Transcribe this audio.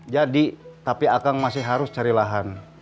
jadi tapi akang masih harus cari lahan